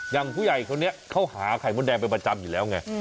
ยังผู้ใหญ่เขาเนี้ยเขาหาไขม่ดแดงไปประจำอยู่แล้วไง